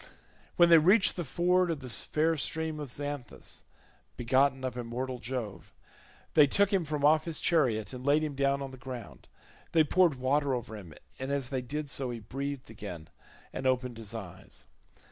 When they reached the ford of the fair stream of Xanthus, begotten of Immortal Jove, they took him from off his chariot and laid him down on the ground; they poured water over him, and as they did so he breathed again and opened his eyes.